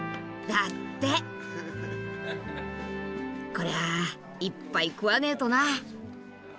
こりゃいっぱい食わねぇとな。